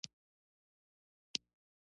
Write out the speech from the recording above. اقتصادي پرمختګ د پانګونې نتیجه ده.